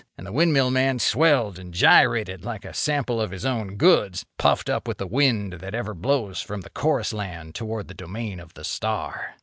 And the windmill man swelled and gyrated like a sample of his own goods, puffed up with the wind that ever blows from the chorus land toward the domain of the star.